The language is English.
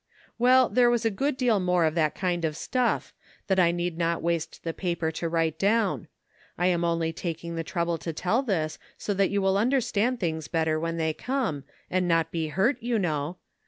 "Well, there was a good deal more of that kind of stuff, that I need not waste the paper to write down ; I am only tak ing the trouble to tell this so that you will understand things better when they come, and not be hurt, j'ou know.